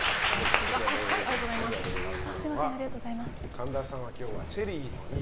神田さんは今日はチェリーのね。